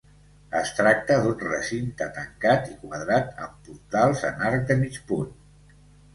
Es tracta d'un recinte tancat i quadrat amb portals en arc de mig punt.